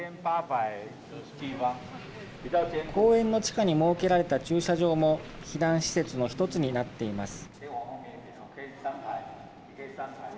公園の地下に設けられた駐車場も避難施設の１つになっています。